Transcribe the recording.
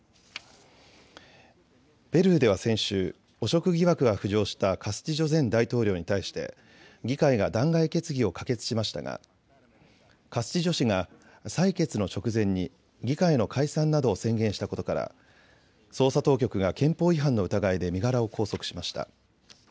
ペルーでは先週、汚職疑惑が浮上したカスティジョ前大統領に対して議会が弾劾決議を可決しましたがカスティジョ氏が採決の直前に議会の解散などを宣言したことから捜査当局が憲法違反の疑いで身柄を拘束しました。